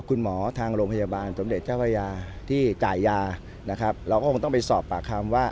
ทางโรงพยาบาลสมเด็จเจ้าพระยาที่จ่ายยานะครับเราก็คงต้องไปสอบปากคำว่า